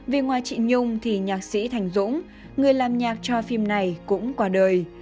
vì ngoài chị nhung thì nhạc sĩ thành dũng người làm nhạc cho phim này cũng qua đời